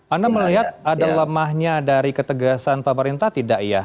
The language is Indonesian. anda melihat ada lemahnya dari ketegasan pemerintah tidak ya